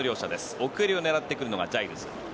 奥襟を狙ってくるのがジャイルズ。